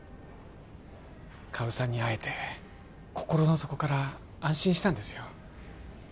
薫さんに会えて心の底から安心したんですよ